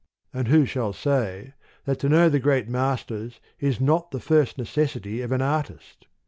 And who shall say, that to know the great Masters is not the first necessity of an artist